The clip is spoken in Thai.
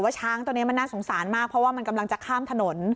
ช้างตอนนี้น่าสงสารมากเพราะว่ามันจะข้ามถนน